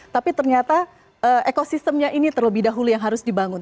tapi ternyata ekosistemnya ini terlebih dahulu yang harus dibangun